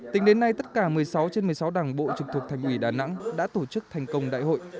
tính đến nay tất cả một mươi sáu trên một mươi sáu đảng bộ trực thuộc thành ủy đà nẵng đã tổ chức thành công đại hội